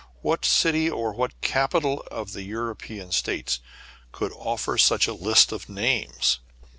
What city, or what capital of the European States, could offer such a list of names